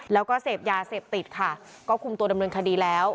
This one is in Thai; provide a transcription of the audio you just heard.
แล้วก็เสพยาเสพติดค่ะก็คุมตัวดำเนินคดีแล้ว